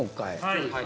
はい。